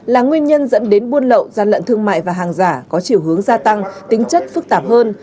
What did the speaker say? là nguyên nhân dẫn đến buôn lậu gian lận thương mại và hàng giả có chiều hướng gia tăng tính chất phức tạp hơn